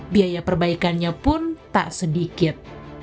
biaya perbaikannya pun tak sedikit